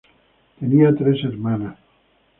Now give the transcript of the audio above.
Tenía tres hermanas.